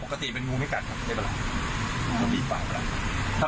ปกติเป็นงูไม่กลัดครับแล้วเป็นาน่าสร้างความเป็นใน๕๘๓